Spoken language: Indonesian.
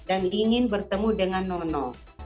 dan ingin bertemu dengan nono